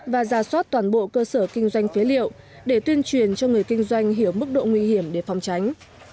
và ra soát toàn bộ cơ sở kinh doanh phế liệu để tuyên truyền cho người kinh doanh hiểu mức độ nguy hiểm để phòng tránh